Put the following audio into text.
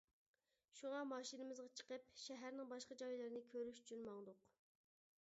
شۇڭا ماشىنىمىزغا چىقىپ، شەھەرنىڭ باشقا جايلىرىنى كۆرۈش ئۈچۈن ماڭدۇق.